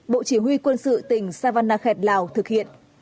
bộ chỉ huy quân sự tỉnh savanakhet lào thực hiện